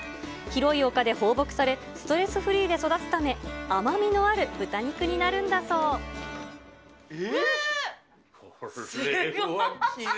広い丘で放牧され、ストレスフリーで育つため、甘みのある豚肉にすごい！